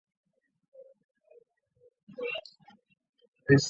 他于次年正式使用国王的称号。